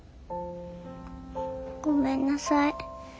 ごめんなさい。